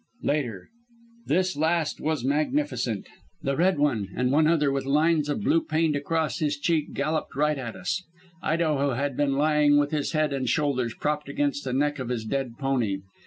"Later. This last was magnificent. The Red One and one other with lines of blue paint across his cheek galloped right at us. Idaho had been lying with his head and shoulders propped against the neck of his dead pony.